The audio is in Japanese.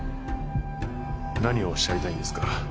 何をおっしゃりたいんですか？